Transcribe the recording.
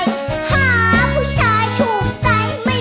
หาผู้ชายถูกใจไม่